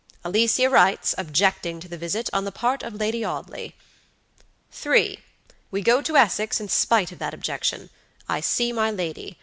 Alicia writes, objecting to the visit, on the part of Lady Audley." "3. We go to Essex in spite of that objection. I see my lady.